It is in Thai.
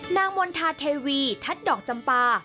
นางมณฑาเทวีทัดดอกจำปลา